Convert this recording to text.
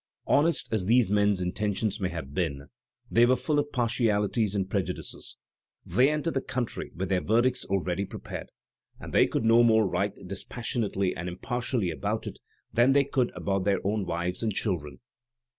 Honest as these men*s intentions may have been, th^ were full of partialities and prejudices, they entered the country with their verdicts already prepared, and they could no more write dispassionately and impartially about it than they could about their own wives and children.